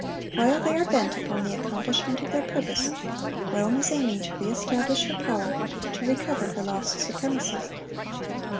While they are bent upon the accomplishment of their purpose, Rome is aiming to re establish her power, to recover her lost supremacy.